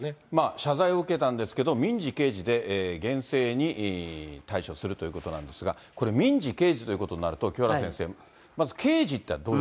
謝罪を受けたんですけれども、民事、刑事で厳正に対処するということなんですが、これ、民事、刑事ということになると、清原先生、まず刑事っていうのはどういう？